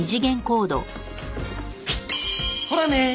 ほらね！